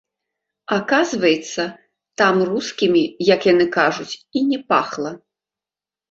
Аказваецца, там рускімі, як яны кажуць, і не пахла.